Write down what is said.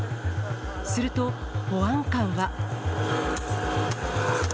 すると、保安官は。